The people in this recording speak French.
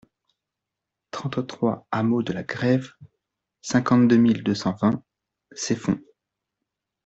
trente-trois hameau de la Grève, cinquante-deux mille deux cent vingt Ceffonds